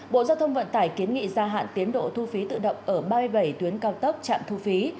bộ giao thông vận tải kiến nghị gia hạn tiến độ thu phí tự động ở ba mươi bảy tuyến cao tốc trạm thu phí